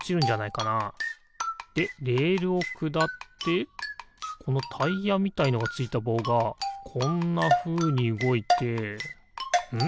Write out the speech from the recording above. でレールをくだってこのタイヤみたいのがついたぼうがこんなふうにうごいてん？